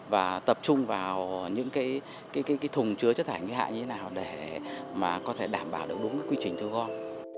và tập trung vào những thùng chứa chất thải nguy hại như thế nào để đảm bảo đúng quy trình thu gom